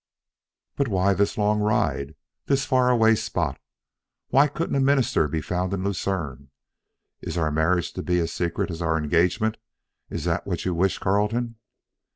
"But why this long ride, this far away spot? Why couldn't a minister be found in Lucerne? Is our marriage to be as secret as our engagement? Is that what you wish, Carleton?"